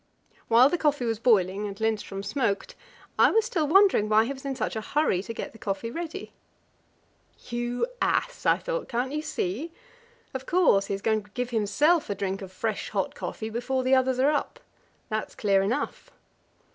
While the coffee was boiling and Lindström smoked, I was still wondering why he was in such a hurry to get the coffee ready. You ass! I thought; can't you see? Of course, he is going to give himself a drink of fresh, hot coffee before the others are up; that's clear enough.